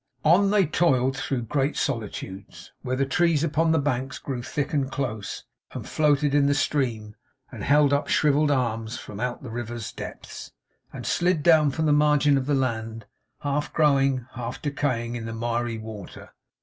On they toiled through great solitudes, where the trees upon the banks grew thick and close; and floated in the stream; and held up shrivelled arms from out the river's depths; and slid down from the margin of the land, half growing, half decaying, in the miry water.